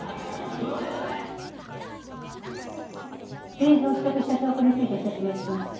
令状を取得した証拠について説明します。